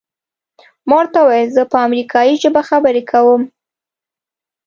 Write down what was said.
ما ورته وویل زه په امریکایي ژبه خبرې کوم.